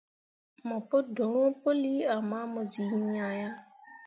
Mo pu dorõo puli ama mo zii iŋya yah.